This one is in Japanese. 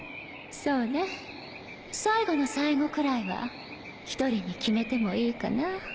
そうね最後の最後くらいは一人に決めてもいいかな